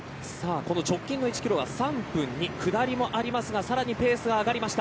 直近の１キロは３分に下りもありますがさらにペースが上がりました。